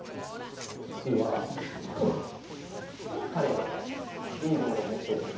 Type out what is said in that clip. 実は彼がいい動画持っててさ。